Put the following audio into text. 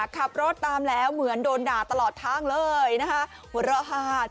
ขับรถตามแล้วเหมือนโดนด่าตลอดทางเลยนะคะ